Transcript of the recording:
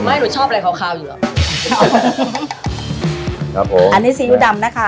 หนูชอบอะไรขาวคาวอยู่หรอครับผมอันนี้ซีอิ๊วดำนะคะ